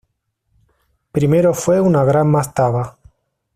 Primero fue una gran mastaba.